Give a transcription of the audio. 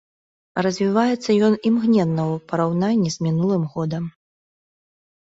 Развіваецца ён імгненна ў параўнанні з мінулым годам.